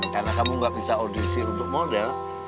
karena kamu gak bisa audisi untuk model